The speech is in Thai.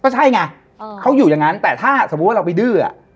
ใช่ไงเขาอยู่อย่างนั้นแต่ถ้าสมมุติว่าเราไปดื้อ